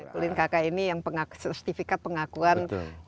kulin kk ini yang sertifikat pengakuan